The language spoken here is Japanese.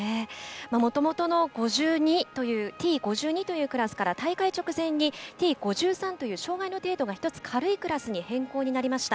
もともとのＴ５２というクラスから大会直前、Ｔ５３という障がいの程度が１つ軽いクラスに変更になりました。